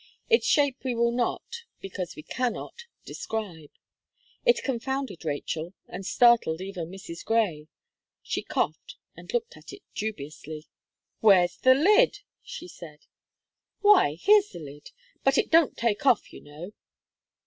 Its shape we will not, because we cannot describe. It confounded Rachel, and startled even Mrs. Gray. She coughed, and looked at it dubiously. "Where's the lid?" she said. "Why, here's the lid; but it don't take off, you know."